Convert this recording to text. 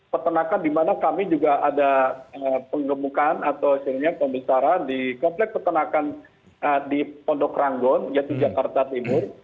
peternakan di mana kami juga ada pengemukan atau hasilnya pembesaran di komplek peternakan di pondok ranggon yaitu jakarta timur